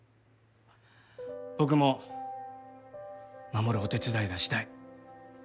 僕も守るお手伝いがしたい。